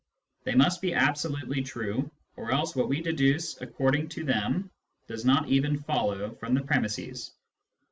They must be absolutely true, or else what we deduce according to them does not even follow from the premisses.